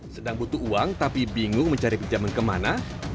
sedang butuh uang tapi bingung mencari pinjaman kemana